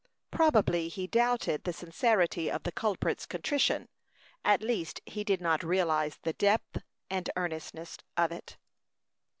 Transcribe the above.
Probably he doubted the sincerity of the culprit's contrition; at least he did not realize the depth and earnestness of it.